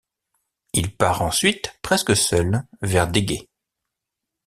Il part ensuite, presque seul, vers Dégé.